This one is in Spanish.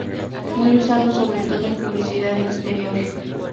Muy usado sobre todo en publicidad exterior.